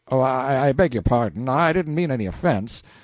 "Oh, I beg pardon; I didn't mean any offense.